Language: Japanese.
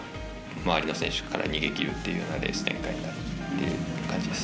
周りの選手から逃げきるというようなレース展開になるという感じです。